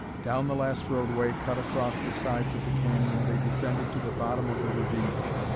Down the last roadway cut across the sides of the canyon they descended to the bottom of the ravine.